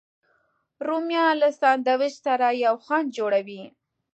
رومیان له سنډویچ سره یو خوند جوړوي